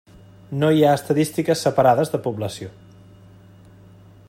No hi ha estadístiques separades de població.